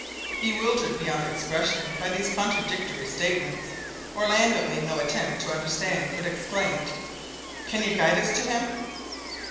Bewildered beyond expression by these contradictory statements, Orlando made no attempt to understand, but exclaimed "Can you guide us to him?"